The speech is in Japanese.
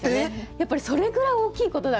やっぱりそれぐらい大きいことだから。